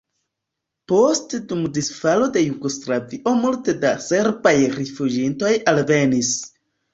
Poste dum disfalo de Jugoslavio multe da serbaj rifuĝintoj alvenis.